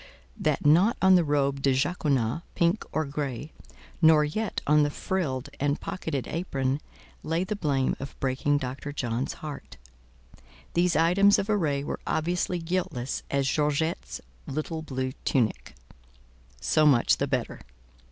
that not on the robe de jaconas, pink or grey, nor yet on the frilled and pocketed apron, lay the blame of breaking Dr. John's heart: these items of array were obviously guiltless as Georgette's little blue tunic. So much the better.